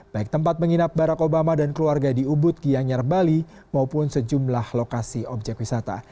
baik tempat menginap barack obama dan keluarga di ubud gianyar bali maupun sejumlah lokasi objek wisata